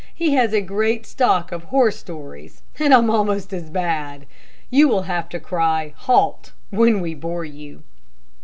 He has a great stock of horse stories, and I am almost as bad. You will have to cry 'halt,' when we bore you."